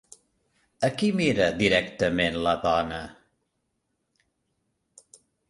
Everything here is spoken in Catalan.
A qui mira directament la dona?